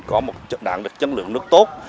có một đạn chất lượng nước tốt